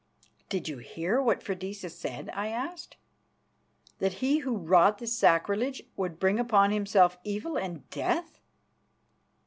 "Did you hear what Freydisa said?" I asked. "That he who wrought this sacrilege would bring upon himself evil and death?"